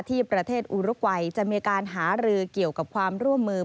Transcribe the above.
ที่ประเทศอุรุกวัยจะมีการหารือเกี่ยวกับความร่วมมือ